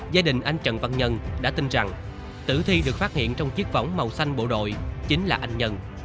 gia đình anh trần văn nhân đã tin rằng tử thi được phát hiện trong chiếc vỏng màu xanh bộ đội chính là anh nhân